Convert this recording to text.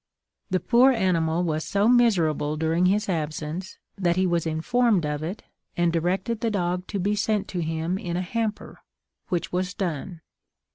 The poor animal was so miserable during his absence, that he was informed of it, and directed the dog to be sent to him in a hamper, which was done.